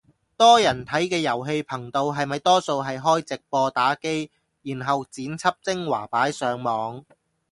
多人睇嘅遊戲頻道係咪多數係開直播打機，然後剪輯精華擺上網